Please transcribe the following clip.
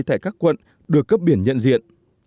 tại các quận được cấp biển nhận diện